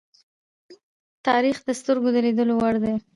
تاریخ د سترگو د لیدلو وړ دی.